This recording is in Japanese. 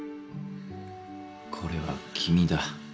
これは君だ